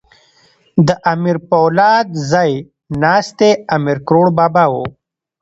د امیر پولاد ځای ناستی امیر کروړ بابا وو.